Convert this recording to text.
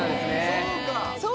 そうか！